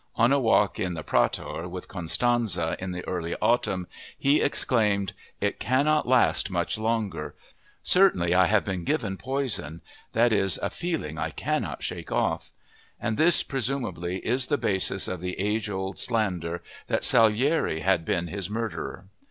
On a walk in the Prater with Constanze in the early autumn he exclaimed: "It cannot last much longer ... Certainly, I have been given poison; that is a feeling I cannot shake off!" And this, presumably, is the basis of the age old slander that Salieri had been his murderer!